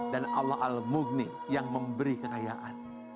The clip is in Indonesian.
dan allah al mughni yang memberi kekayaan